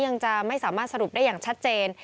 ยังจะไม่สามารถสรุปได้อย่างชัดเจน